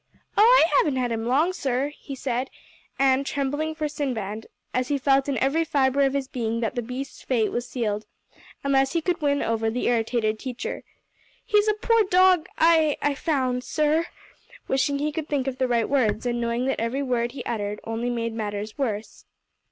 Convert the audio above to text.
"Oh, I haven't had him long, sir," he said, and trembling for Sinbad, as he felt in every fibre of his being that the beast's fate was sealed, unless he could win over the irritated teacher. "He's a poor dog I I found, sir," wishing he could think of the right words, and knowing that every word he uttered only made matters worse.